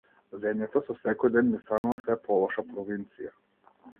Земјата со секој ден ни станува сѐ полоша провинција.